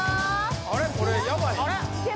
あれこれヤバい？